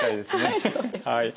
はいそうですね。